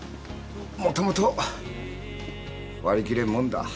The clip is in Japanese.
もともと割り切れんもんだ。